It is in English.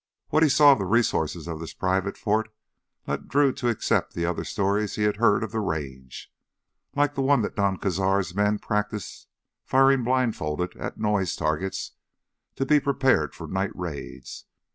What he saw of the resources of this private fort led Drew to accept the other stories he had heard of the Range, like the one that Don Cazar's men practiced firing blindfolded at noise targets to be prepared for night raids.